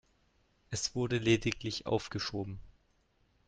Es wurde lediglich aufgeschoben.